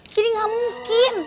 jadi gak mungkin